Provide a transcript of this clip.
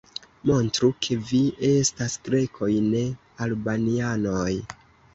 Montru, ke vi estas Grekoj, ne Albanianoj!